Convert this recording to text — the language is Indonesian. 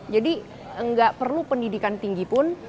jadi gak perlu pendidikan tinggi pun